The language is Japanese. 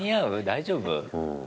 大丈夫？